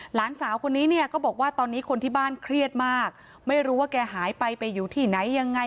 หลานสาวคนนี้เนี่ยก็บอกว่าตอนนี้คนที่บ้านเครียดมากไม่รู้ว่าแกหายไปไปอยู่ที่ไหนยังไง